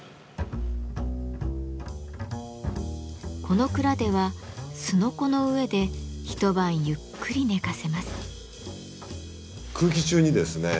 この蔵では「すのこ」の上で一晩ゆっくり寝かせます。